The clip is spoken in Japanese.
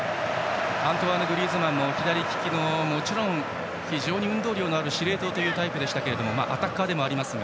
アントワーヌ・グリーズマンも左利きで非常に運動量の多い司令塔というタイプでもありますがアタッカーでもあります。